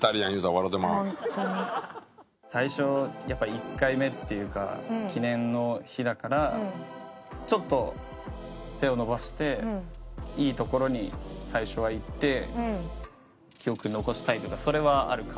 これで最初やっぱり１回目っていうか記念の日だからちょっと背を伸ばしていい所に最初は行って記憶に残したいとかそれはあるかも。